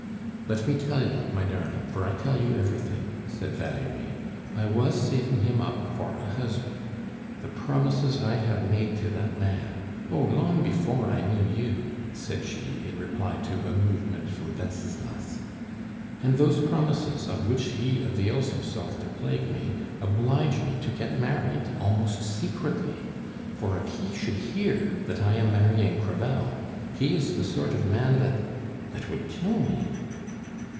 "Let me tell you, my darling for I tell you everything," said Valerie "I was saving him up for a husband. The promises I have made to that man! Oh, long before I knew you," said she, in reply to a movement from Wenceslas. "And those promises, of which he avails himself to plague me, oblige me to get married almost secretly; for if he should hear that I am marrying Crevel, he is the sort of man that that would kill me."